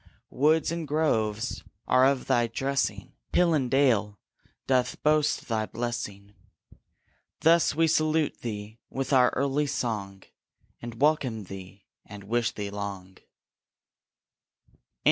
Woods and groves are of thy dressing, Hill and dale doth boast thy blessing. Thus we salute thee with our early song, And welcome thee, and wish thee long.